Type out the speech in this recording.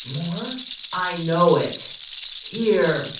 More I know it. Here!"